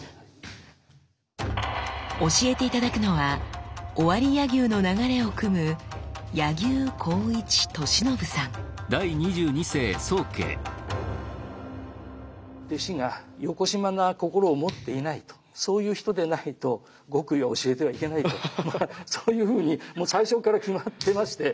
教えて頂くのは尾張柳生の流れをくむ弟子がよこしまな心を持っていないとそういう人でないと極意を教えてはいけないとまあそういうふうにもう最初から決まってまして。